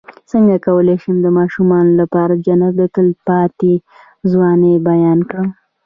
څنګه کولی شم د ماشومانو لپاره د جنت د تل پاتې ځوانۍ بیان کړم